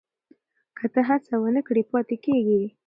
که ته هڅه ونه کړې پاتې کېږې.